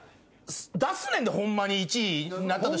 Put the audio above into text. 出すねんでホンマに１位になったとしても。